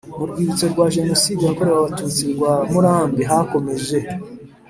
Mu rwibutso rwa Jenoside yakorewe Abatutsi rwa Murambi hakomeje